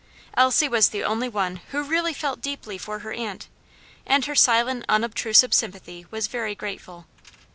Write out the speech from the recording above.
Elsie was the only one who really felt deeply for her aunt; and her silent, unobtrusive sympathy was very grateful.